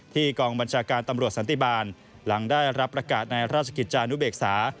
กองบัญชาการตำรวจสันติบาลหลังได้รับประกาศในราชกิจจานุเบกษา